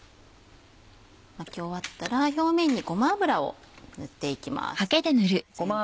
巻き終わったら表面にごま油を塗っていきます。